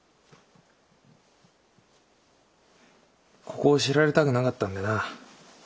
ここを知られたくなかったんでな。